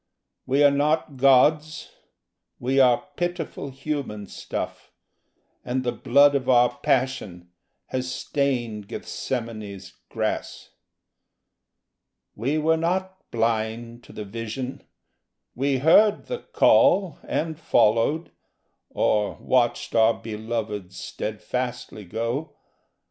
We are not gods: we are pitiful human stuff; And the blood of our passion has stained Gethsemane's grass. We were not blind to the vision. We heard the call And followed, or watched our belovèd steadfastly go.